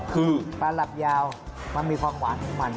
คือปลาหลับยาวมันมีความหวานของมัน